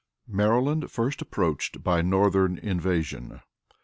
Maryland first approached by Northern Invasion.